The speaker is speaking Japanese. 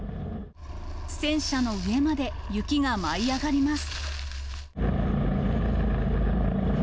戦車の上まで雪が舞い上がります。